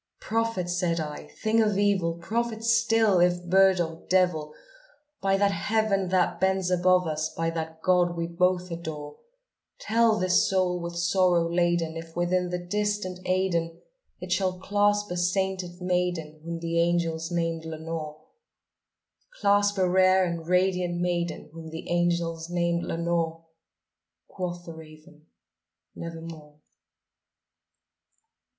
"Prophet!' said I, "thing of evil! prophet still, if bird or devil! By that Heaven that bends above us by that God we both adore Tell this soul with sorrow laden if, within the distant Aidenn, It shall clasp a sainted maiden whom the angels named Lenore Clasp a rare and radiant maiden, whom the angels named Lenore?" Quoth the raven, "Nevermore."